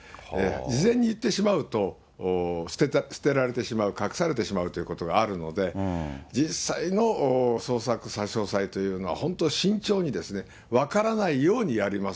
事前に言ってしまうと捨てられてしまう、隠されてしまうというのがあるので、実際の捜索差し押さえというのは、本当、慎重に、分からないようにやります。